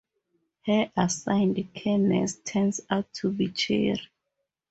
Her assigned care nurse turns out to be Cherry.